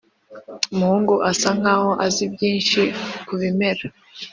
umuhungu asa nkaho azi byinshi kubimera.